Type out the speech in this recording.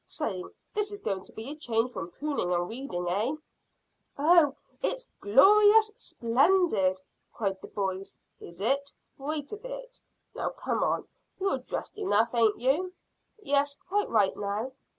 Say, this is going to be a change from pruning and weeding, eh?" "Oh, it's glorious splendid!" cried the boys. "Is it? Wait a bit. Now come on; you're dressed enough, ain't you?" "Yes, quite right now."